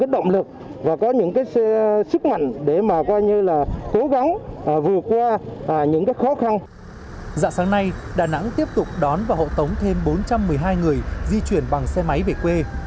dạng sáng nay đà nẵng tiếp tục đón và hộ tống thêm bốn trăm một mươi hai người di chuyển bằng xe máy về quê